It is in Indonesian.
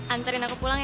anterin aku pulang ya